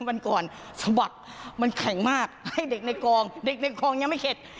วันก่อนสะบักมันแข็งมากให้เด็กในกองเด็กในคลองยังไม่เข็ด